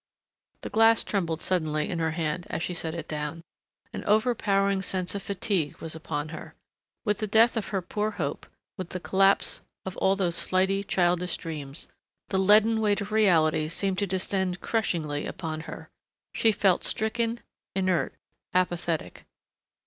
The glass trembled suddenly in her hand as she set it down. An overpowering sense of fatigue was upon her. With the death of her poor hope, with the collapse of all those flighty, childish dreams, the leaden weight of realities seemed to descend crushingly upon her. She felt stricken, inert, apathetic.